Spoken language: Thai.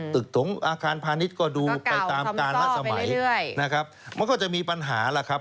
ถงอาคารพาณิชย์ก็ดูไปตามการละสมัยนะครับมันก็จะมีปัญหาล่ะครับ